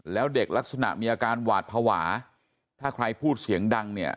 แล้วเด็กลักษณะมีอาการหวาดภาวะถ้าใครพูดเสียงดังเนี่ย